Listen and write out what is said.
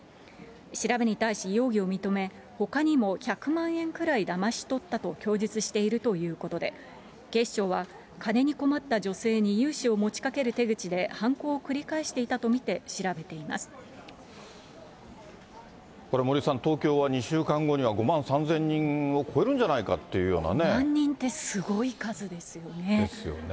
調べに対し、容疑を認め、ほかにも１００万円くらいだまし取ったと供述しているということで、警視庁は金に困った女性に融資を持ちかける手口で犯行を繰り返しこれ、森さん、東京は２週間後には５万３０００人を超えるんじゃないかっていう５万人ってすごい数ですよね。